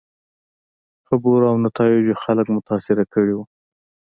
خبرو او نتایجو خلک متاثره کړي وو.